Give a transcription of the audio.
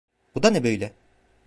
Bu da ne böyle?